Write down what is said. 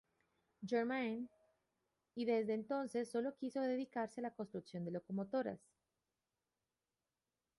Germain, y desde entonces solo quiso dedicarse a la construcción de locomotoras.